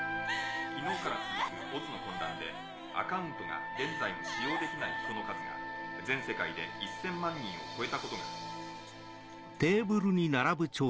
昨日から続くＯＺの混乱でアカウントが現在も使用できない人の数が全世界で１０００万人を超えたことが。